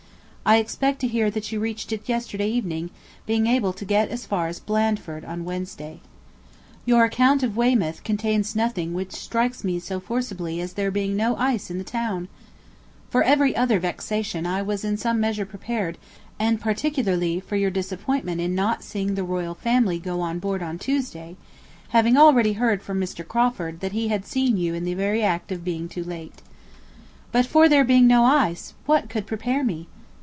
I expect to hear that you reached it yesterday evening, being able to get as far as Blandford on Wednesday. Your account of Weymouth contains nothing which strikes me so forcibly as there being no ice in the town. For every other vexation I was in some measure prepared, and particularly for your disappointment in not seeing the Royal Family go on board on Tuesday, having already heard from Mr. Crawford that he had seen you in the very act of being too late. But for there being no ice, what could prepare me!